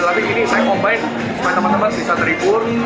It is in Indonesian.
tapi ini saya combine supaya teman teman bisa terhibur